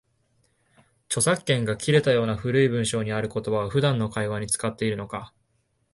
著作権が切れたような古い文章にある言葉を、普段の会話に使っているのか